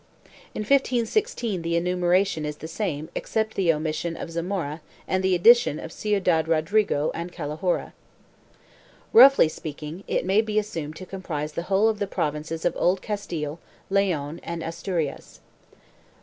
In 1516 the enumeration is the same except the omission of Zamora and the addition of Ciudad Rodrigo and Calahorra. Roughly speak ing, it may be assumed to comprise the whole of the provinces of Old Castile, Leon and Asturias.